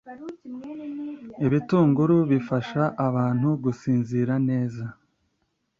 ibitunguru bifasha abantu gusinzira neza